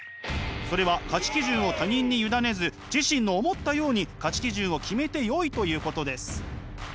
それは価値基準を他人に委ねず自身の思ったように価値基準を決めてよいということです。